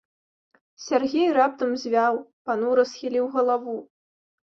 Сяргей раптам звяў, панура схіліў галаву.